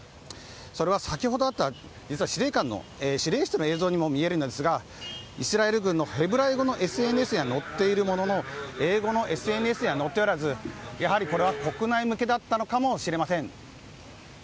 それは先ほどあった司令室の映像にも見えるんですがイスラエル軍のヘブライ語のＳＮＳには載っているものの英語のＳＮＳには載っておらずやはりこれは国内向けだったのかもしれません。